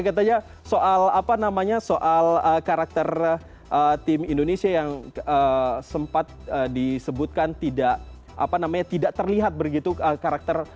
katanya soal apa namanya soal karakter tim indonesia yang sempat disebutkan tidak terlihat begitu karakter